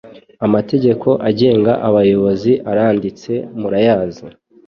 Amategeko agenga abayobazi aranditse murayazi